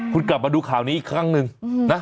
คุณกลับมาดูข่าวนี้อีกครั้งหนึ่งนะ